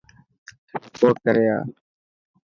رپورٽ ڪري آءِ.